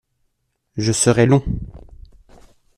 je serai long.